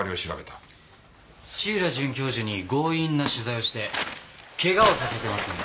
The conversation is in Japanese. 土浦准教授に強引な取材をして怪我をさせてますね？